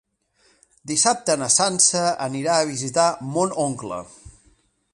Dissabte na Sança anirà a visitar mon oncle.